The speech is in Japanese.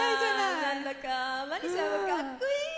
何だかマリちゃんもかっこいい！